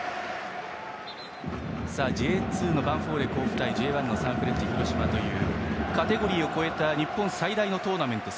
Ｊ２のヴァンフォーレ甲府対Ｊ１のサンフレッチェ広島というカテゴリーを越えた日本最大のトーナメント。